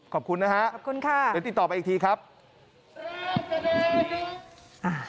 ขอบคุณนะฮะเดี๋ยวติดต่อไปอีกทีครับขอบคุณค่ะ